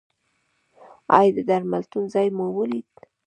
ایا د درملتون ځای مو ولید؟